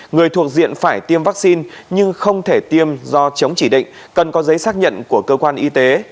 người thuộc diện phải tiêm vaccine nhưng không thể tiêm do chống chỉ định cần có giấy xác nhận của cơ quan y tế